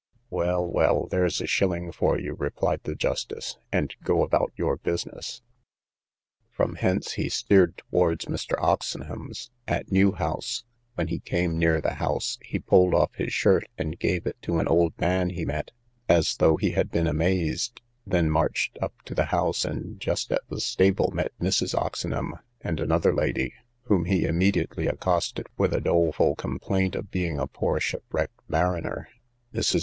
Well, well, there's a shilling for you, replied the justice, and go about your business. From hence he steered towards Mr. Oxenham's, at New house: when he came near the house, he pulled off his shirt, and gave it to an old man he met, as though he had been amazed: then marched up to the house, and just at the stable met Mrs. Oxenham and another lady, whom he immediately accosted with a doleful complaint of being a poor shipwrecked mariner. Mrs.